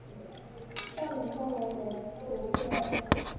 大穆尔默隆人口变化图示